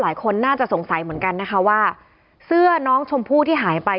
หลายคนน่าจะสงสัยเหมือนกันนะคะว่าเสื้อน้องชมพู่ที่หายไป